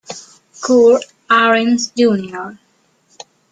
Kurt Ahrens Jr.